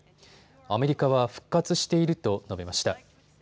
アメリカは復活していると述べました。